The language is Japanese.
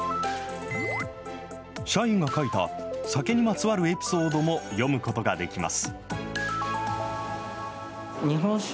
社員が書いた酒にまつわるエピソードも読むことができます。